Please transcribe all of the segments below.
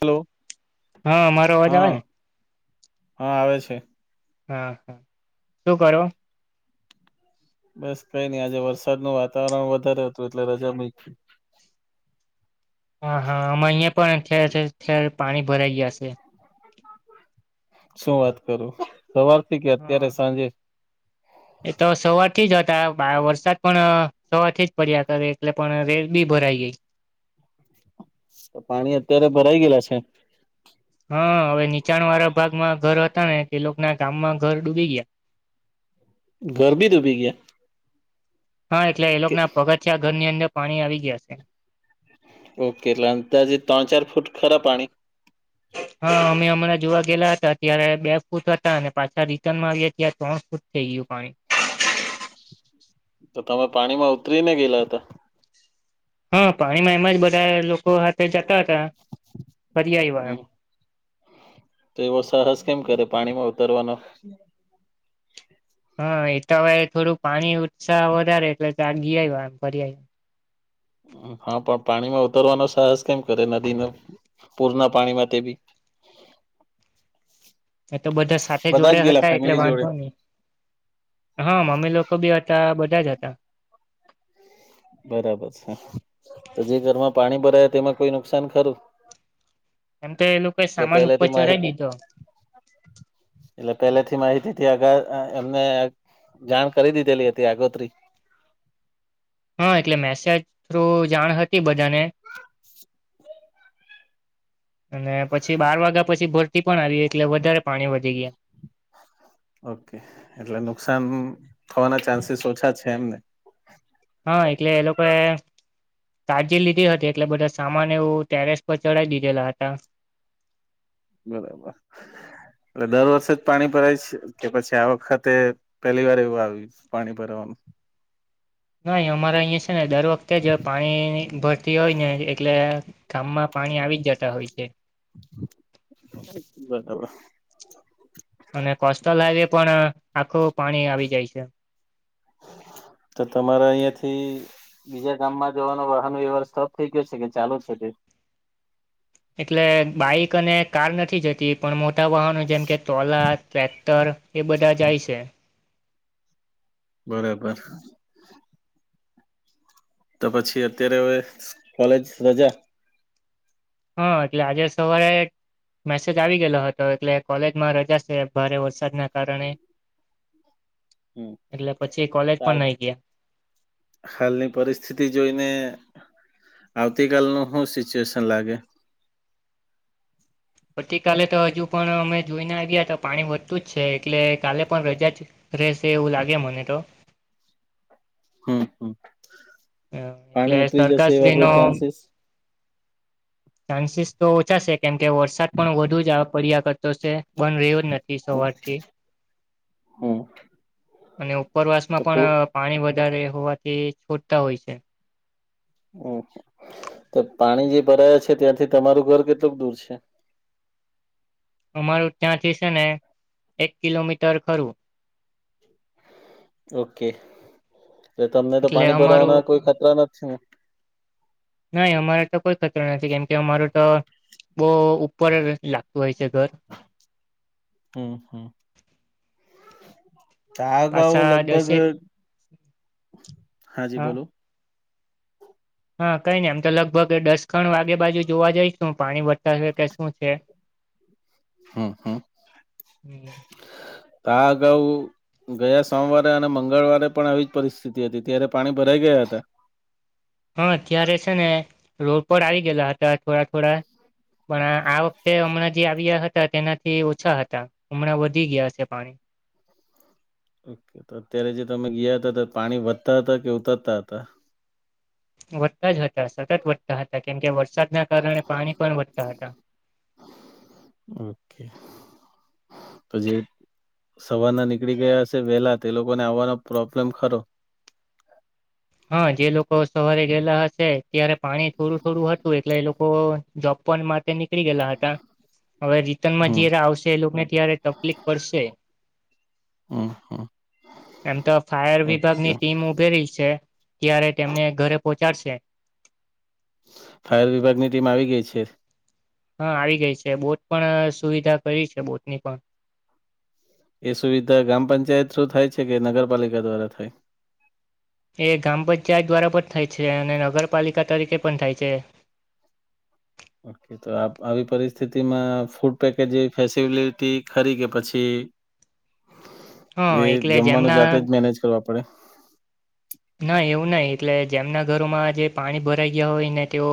Hello. હા મારો અવાજ હા આવે ને. હા આવે છે. હા હા શું કરો. બસ કઈ નઈ આજે વરસાદ નું વાતાવરણ વધારે હતું એટલે રજા મકી હા હા અમાં અહિયાયા પણ અ પાણી ભરાઈ ગયા છે શું વાત કરું સવારથી કે અત્યારે હા સાંજે એ તો સવાર થી જ હતા વરસાદ પણ સવારથી જ પડ્યા કરે એટલે પણ રેડ બી ભરાઈ ગઈ તો પાણી અત્યારે ભરાઈ ગયયા છે હા હવે નીચાણ વાળા ભાગમાં ઘર હતા ને એ લોકો ના ગામમાં ઘર ડૂબી ગયા ધરબી દૂબી ગયા હા એટલે એ લોકો ના પગથિયા ઘર ની અંદર પાણી આવી ગયા છે ઓકે લ ત જે ત્રણ ચાર ફૂટ ખરા પાણી હા અમે હમણાં જોવા ગયેલા હતા ત્યારે બે ફૂટ હતા અને પાછા રિટર્નમાં આવ્યા ત ત્રણ ફૂટ થઈ ગયું પાણી તો તમે પાણીમાં ઉતરી ને ગયેલા હતા હા પાણીમાં એમાં જ બધા લોકો હાથે જતા હતા ફરી આવ્યા હમ એમ તો એવો સાહસ કેમ કરે પાણીમાં ઉતરવાનો હા એ તો હવે થોડું પાણી ઉત્સાહ વધારે એટલે ફરી આયા હા પણ પાણીમાં ઉતરવાનો સાહસ કેમ કરે નદી ન પૂર ના પાણીમાં તે બી એ તો બધા સાથે બધા જ જોડે ગયેલા હતા એટલે ફેમિલી જોડે વાંધો નહી હા મમ્મી લોકો બી હતા બધા જ હતા બરાબર છે તો જે ઘરમાં પાણી ભરાય તેમાં કોઈ નુકસાન ખરું એમ તો એ લોકો કે સામાન ઉપર પેલાથી માહિત ચઢાવ દીધો એટલે પેલેથી માહિતી હતી આગા એમને જાણ કરી દીધેલી હતી આગોતરી હા એટલે મેસેજ થ્રુ જાણ હતી બધાને અને પછી બાર વાગ્યા પછી ભરતી પણ આવી એટલે વધારે પાણી વધી ગયા. ઓકે એટલે નુકસાન થવાના ચાન્સીસ ઓછા છે એમને. હા એટલે એ લોકો કાળજી લીધી હતી એટલે બધા સામાન એવું ટેરેસ પર ચડાઈ દીધેલા હતા. બરાબર એટલે દર વર્ષે જ પાણી ભરાય છે કે પછી આ વખતે પહેલી વાર એવું આવ્યું પાણી ભરાવાનુ? નાહી અમારે અહીંયા છે ને દર વખતે જ પાણી ભરતી હોય ને એટલે ગામમાં પાણી આવી જ જતા હોય છે. બરાબર અને કોસ્ટલ હાઈવે પણ આખું પાણી આવી જાય છે. તો તમારા અહિયાંથી બીજા ગામમાં જવાનો વાહનો વ્યવહાર સ્ટોપ થઈ ગયો છે કે ચાલુ છે તે? એટલે બાઈક અને કાર નથી જતી પણ મોટા વાહનો જેમ કે ટોલા ટ્રેક્ટર એ બધા જાય છે. બરાબર તો પછી અત્યારે હવે કોલેજ રજા? હા એટલે આજે સવારે મેસેજ આવી ગયેલો હતો એટલે કોલેજમાં રજા છે ભારે વરસાદના કારણે [inaudible] એટલે પછી કોલેજ તો પણ નઈ ગયા. હાલની પરિસ્થિતિ જોઈને આવતીકાલનું હુ સિચ્યુએશન લાગે? આવતીકાલે તો હજુ પણ અમે જોઈને આવ્યા તો પાણી વધતું જ છે એટલે કાલે પણ રજા રેશે એવું લાગે મને તો. હમ હમ એટલે પાણી ઉતરી જશે એવા સરકારશ્રીનો કોઈ ચાન્સીસ. ચાન્સીસ તો ઓછા છે કેમ કે વરસાદ પણ વધુ જ આ પડ્યા ક રતો છે બંધ રહ્યો જ નથી સવારથી. હમ અને ઉપરવાસ તો માં પણ પાણી વધારે હોવાથી છોડતા હોય છે. તો પાણી જે ભરાયા છે ત્યાંથી તમારું ઘર કેટલુંક દૂર છે? અમારું ત્યાંથી છે ને એક કિલોમીટર ખરું. ઓકે એટલે તમને તો એટલે પાણી અમારું ભરાવાના કોઈ ખતરા નથી ને? નાહી અમારા તો કોઈ ખતરો નથી કેમકે અમારુ તો બહુ ઉપર લાગતું હોય છે ઘર. હમ હમ ત અગાઉ પાછા લગભગ દસેક હા જી બોલો હા કઈ નઈ આમ તો લગભગ એ દસ ખણ વાગે બાજુ જોવા જઈશ પાણી વતા કે શું છે. હમ હમ તા આગાઉ ગયા સોમવારે અને મંગળવારે પણ આવી જ પરિસ્થિતિ હતી ત્યારે પાણી ભરાઈ ગયા હતા? હા અત્યારે છે ને રોડ પર આવી ગયલા હતા થોડા થોડા પણ આ વખતે હમણાં જે આવ્યા હતા તેનાથી ઓછા હતા. હમણાં વધી ગયા છે પાણી. ઓકે તો અત્યારે જે તમે ગયા હતા તો પાણી વધતા હતા કે ઉતરતા હતા? વધતા જ હતા સતત વધતા હતા કેમકે વરસાદના કારણે પાણી પણ વધતા હતા. ઓકે તો જે સવારના નીકળી ગયા હસે વહેલા તે લોકોને આવવાનો પ્રોબ્લેમ ખરો? હા જે લોકો સવારે ગયેલા હશે ત્યારે પાણી થોડું થોડું હતું એટલે એ લોકો જોબ પણ માટે ની નીકળી ગયલા હતા હવે રીટર્નમાં હમ જયારે આવશે એ લોકોને ત્યારે તકલીફ પડશે. હમ્મ હમ્મ. એમ તો ફાયર વિભાગની ટીમ ઉભેરી છે. ત્યારે તેમને ઘરે પહોંચાડશે. ફાયર વિભાગની ટીમ આવી ગઈ છે. હા આવી ગઈ છે બોટ પણ સુવિધા કરી છે બોટની પણ એ સુવિધા ગ્રામ પંચાયત થ્રુ થાય છે કે નગરપાલિકા દ્વારા થાય એ ગ્રામ પંચાયત દ્વારા પણ થાય છે અને નગરપાલિકા તરીકે પણ થાય છે. ઓકે તો તો આ આવી પરિસ્થિતિમાં ફૂડ પેકેજ જેવું ફેસબિલિટી ખરી કે પછી હા એ એટલે જમવાનું જેમના જાતે જ મેનેજ કરવા પડે. ના એવું નહિ એટલે જેમના ઘરોમાં જે પાણી ભરાઈ ગયા હોય ને તેઓ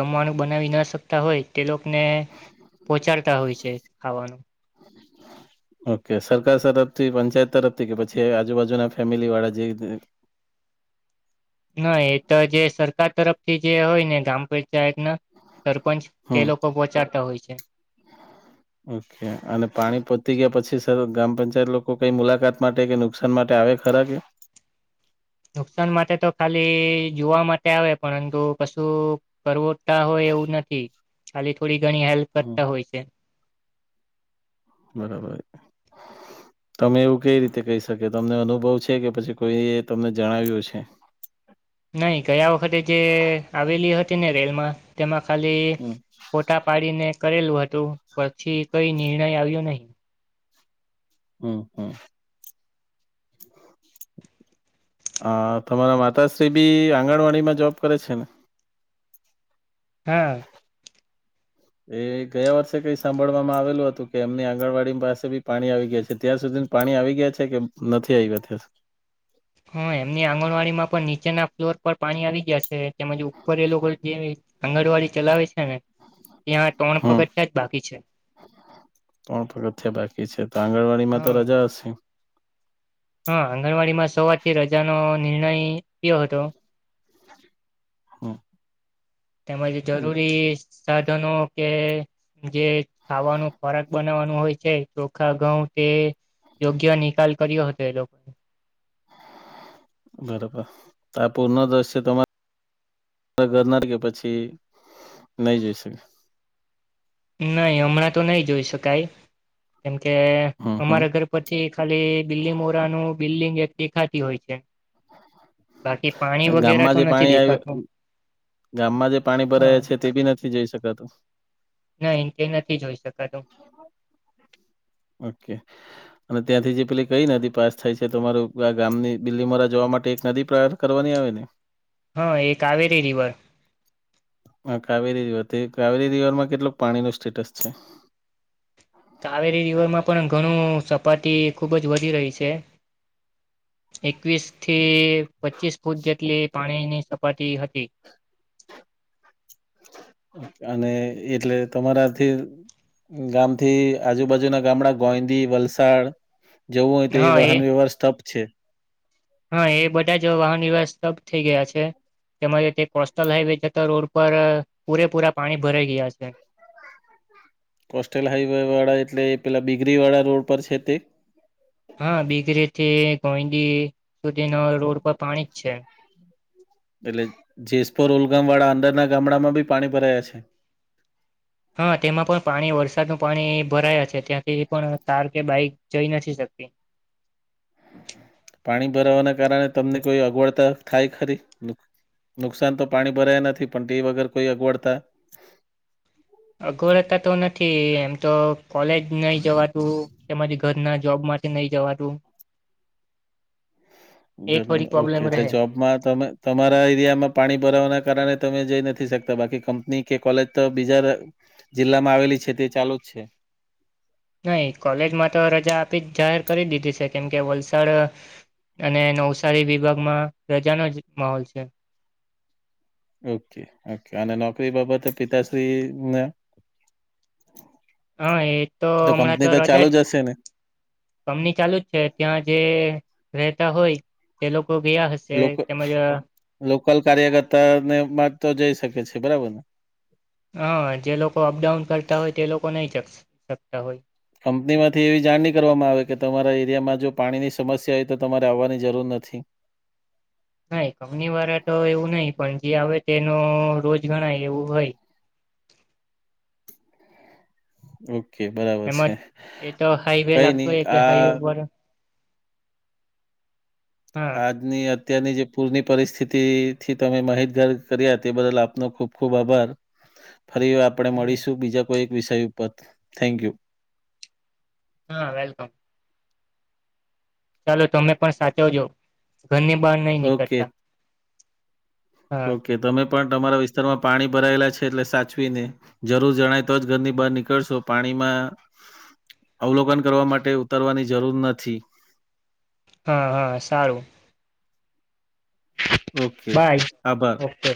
જમવાનું બનાવી ન શકે તા હોય તે લોકોને પહોંચાડતા હોય છે ખાવાનું હા. ઓકે સરકાર તરફથી પંચાયત તરફથી કે પછી આજુબાજુના ફેમિલીવાળા જે ના એ તો જે સરકાર તરફથી જે હોય ને ગ્રામ પંચાયત ના સરપંચ તે હમ લોકો પહોંચાડતા હોય છે. ઓકે અને પાણી પોચી ગયા પછી સર ગ્રામ પંચાયત લોકો કઈ મુલાકાત માટે કે નુકશાન માટે આવે ખરા કે નુકસાન માટે તો ખાલી જોવા માટે આવે પરંતુ કશું કરવોતા હોય એવું નથી ખાલી થોડી ઘણી હેલ્પ હમ, કરતા હોય છે. બરાબર [inaudible] તમે એવું કઈ રીતે કહી શકે તમને અનુભવ છે કે પછી કોઈ એ તમને જણાવ્યું હશે. નહી ગયા વખતે જે આવેલી હતી ને રેલમાં તેમાં ખાલી હમ ફોટા પાડીને કરેલું હતું પછી કઈ નિર્ણય આવ્યો નહી. હમ્મ હમ્મ. હ તમારા માતાશ્રી બી આંગણવાડીમાં જોબ કરે છે ને હા. એ ગયા વર્ષે કઈ સાંભળવામાં આવેલું હતું કે એમની આંગણવાડી પાસે બી પાણી આવી ગયા છે ત્યાં સુધી પાણી આવી ગયા છે કે નથી આવી ગયા હા એમની આંગણવાડીમાં પણ નીચેના ફ્લોર પર પાણી આવી ગયા છે તેમજ ઉપર એ લોકો જેવી આંગણવાડી ચલાવે છે ને ત્યાં ત્રણ હમ પગથિયા જ બાકી છે. ત્રણ પગથીયા બાકી છે તો આંગણવાડીમાં તો હા રજા હશે. હા આંગણવાડી માં સવાર થી રજાનો નિર્ણય થયો હતો. હા. તેમજ જરૂરી સાધનો કે જે ખાવાનું ખોરાક બનાવવાનું હોય છે ચોખા ઘઉં તે યોગ્ય નિકાલ કર્યો હતો એ લોકોએ બરોબર આ પૂરના દ્રશ્યો તમારે પછ ઘરનાર ગયો પછી નહી જઈ શકે નહી હમણાં તો નહી જોઈ શકાય કેમકે હમ હમ અમારા ઘર પછી ખાલી બીલીમોરા નું બિલ્ડિંગ એક દેખાતી હોય છે. બાકી પાંચ ગામમાં જે પાણી આવયુ ગામમાં જે પાણી ભરાય હા છે તે બી નથી જઈ શકાતું ના ઇન્ટરનેટથી જોઈ શકાતું ઓકે. અને ત્યાંથી જે પેલી કઈ નદી પાસ થાય છે તમારું આ ગામની બિલીમોરા જોવા માટે એક નદી પર કરવાની આવે ને હા એ કાવેરી રિવર હ કાવેરી રિવર કાવેરી રિવર માં કેટલું પાણી ન સ્ટેટસ છે. કાવેરી રિવરમાં પણ ઘણું સપાટી ખુબ જ વધી રહી છે. એકવીસ થી પચીસ ફૂટ જેટલી પાણીની સપાટી હતી. અને એટલે તમારાથી. ગામથી આજુબાજુ ના ગામડા ગોઈંદી વલસાડ જવું હોય તો એ વાહન વ્યવહાર સ્તપ છે.? હા એ બધા જ વાહન વ્યવહાર સ્તબધ થઈ ગયા છે. તેમજ તે કોસ્ટલ હાઈવે જતા રોડ પર પુરેપુરા પાણી ભરાઈ ગયા છે. કોસ્ટલ હાઈવે વાળા એટલે પેલા બિગરીવાળા રોડ પર છે તે? હા બીકરીથી ગોઈંદડી સુધી ન રોડ પર પાણી જ છે. એટલે જેસપુર ઉલગામ વાળા અંદરના ગામડામાં બી પાણી ભરાયા છે. હા તેમાં પણ પાણી વરસાદનું પાણી ભરાયા છે ત્યાંથી એ પણ ત કે બાઈક જઈ નથી શકતી પાણી ભરાવાના કારણે તમને કોઈ અગવડતા થાય ખરી? નુકસાન તો પાણી ભરાયા નથી પણ ટી વગર કોઈ અગવડતા? અગવડતા તો નથી એમ તો કોલેજ નહી જવાતું ઘરના જોબ માટે નહી જવા તું. એ થોડી ઓકે પ્રોબ્લેમ એટલે રહે જોબમાં તમે? તમારા એરિયામાં પાણી ભરાવાના કારણે તમે જઈ નથી શકતા બાકી કંપની કે કોલેજ તો બીજા જિલ્લામાં આવેલી છે તે ચાલુ જ છે. નહી કોલેજમાં તો રજા આપી જ જાહેર કરી દીધી છે. કેમકે વલસાડ અને નવસારી વિભાગ માં રજાનોો જ માહોલ છે. ઓકે ઓકે અને નોકરી બાબતે પિતાશ્રી ને? હા એ તો હમણાં તો રજા ચાલુ જ હશે ને કંમની ચાલુ જ છે ત્યાં જે રહેતા હોય તે લોકો ગયા હશે, લોક તેમજ લોકલ કાર્યકર્તા ને મા તો જઈ શકે છે બરાબર ને? હા જે લોકો અપડાઉન કરતા હોય તે લોકો નહી શકતા હોય. કંપનીમાંથી એવી જાણણી કરવામાં આવે કે તમારા એરિયામાં જો પાણીની સમસ્યા હોય તો તમારે આવવાની જરૂર નથી. નાહી કંપની વાળા તો એવું નહી પણ જે આવે તેનો રોજ ગણાય એવું હોય. ઓકે બરાબર છે એમાં એ તો હાઈવે કઈ લાગતો નહી હોય એટલે આ હાઈવે પર હા આ ની અત્યારની જે પૂરની પરિસ્થિતિ થી તમે માહિતગાર કર્યા તે બદલ આપનો ખુબ ખૂબ આભાર. ફરી આપડે મળીશું બીજા કોઈ એક વિષય ઉપર થેન્કયુ હા વેલકમ. ચાલો તમે પણ સાચવજો ઘરની બહાર નહી ઓકે નીકળતા. હા ઓકે તમે પણ તમારા વિસ્તારમાં પાણી ભરાયેલા છે એટલે સાચવી ને. જરૂર જણાય તો જ ઘરની બહાર નીકળશો પાણીમાં અવલોકન કરવા માટે ઉતરવાની જરૂર નથી. હા હા સારું. ઓકે બાય આભાર ઓકે.